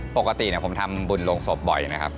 ปกติผมทำบุญโรงศพบ่อยไหมครับ